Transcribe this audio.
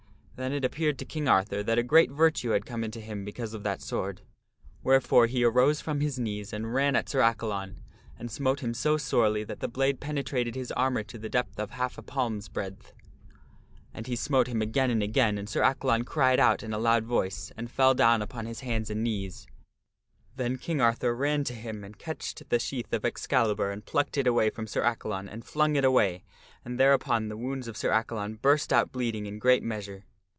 Then it appeared to King Arthur that a great virtue had come into him because of that sword. Wherefore he arose from his knees and ran at Sir Accalon and smote him so sorely that the blade penetrated his armor to the depth of half a palm's breadth. And he smote him again and again and Sir Accalon cried out in a loud voice, and fell down upon his hands King Arthur anc ^ knees. Then King Arthur ran to him and catched the overcometh sir sheath of Excalibur and plucked it away from Sir Accalon and flung it away, and thereupon the wounds of Sir Accalon burst out bleeding in great measure.